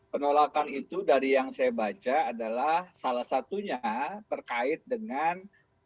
penolakan itu dari yang saya baca adalah salah satunya terkait dengan